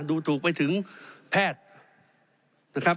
ดูถูกไปถึงแพทย์นะครับ